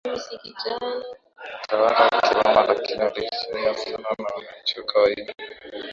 utawala wa Kiroma Lakini waliheshimiwa sana na wananchi wa kawaida